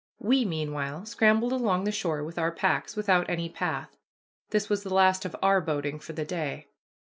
We meanwhile scrambled along the shore with our packs, without any path. This was the last of our boating for the day.